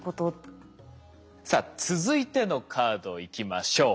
さあ続いてのカードいきましょう。